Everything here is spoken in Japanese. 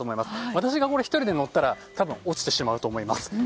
私が１人で乗ったら多分落ちてしまうと思います。